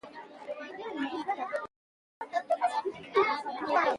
که طالب العلم د علم د زده کړې پر مهال کوشش وکړي